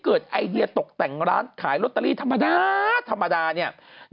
ไอเดียตกแต่งร้านขายลอตเตอรี่ธรรมดาธรรมดาเนี่ย